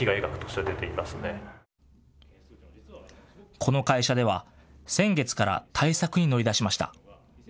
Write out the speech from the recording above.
この会社では先月から対策に乗り出しました。